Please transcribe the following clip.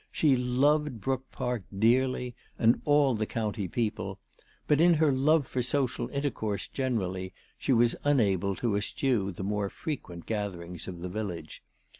She loved Brook Park dearly, and all the county people ; but in her love for social inter course generally she was unable to eschew the more frequent gatherings of the village.